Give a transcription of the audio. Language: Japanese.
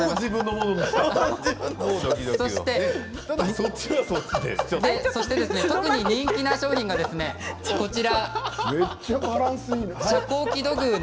そして特に人気な商品がこちら。